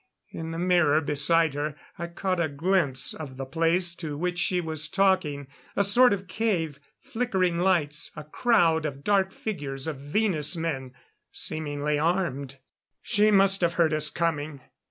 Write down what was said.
In the mirror beside her I caught a glimpse of the place to which she was talking. A sort of cave flickering lights a crowd of dark figures of Venus men, seemingly armed. She must have heard us coming.